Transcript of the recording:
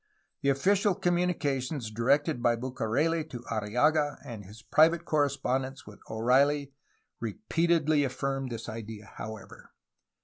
The official communications directed by Bucareli to Arriaga and his private correspondence with O'Reilly repeatedly affirmed this idea, however.